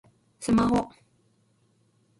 スマホ